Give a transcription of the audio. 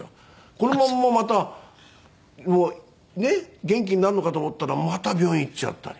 このまんままたねっ元気になるのかと思ったらまた病院行っちゃったり。